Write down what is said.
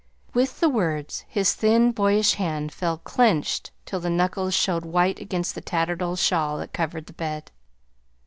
With the words his thin, boyish hand fell clenched till the knuckles showed white against the tattered old shawl that covered the bed.